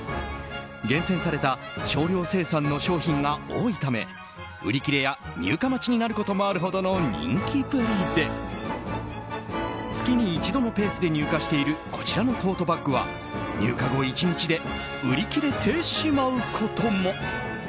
厳選された少量生産の商品が多いため売り切れや入荷待ちになることもあるほどの人気ぶりで月に一度のペースで入荷しているこちらのトートバッグは入荷後１日で売り切れてしまうことも。